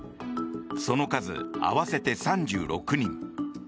その数、合わせて３６人。